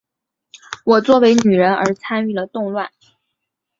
我作为女人而参与了动乱。